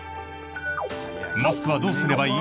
マスクはどうすればいい？